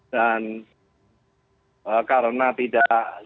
dan karena tidak akan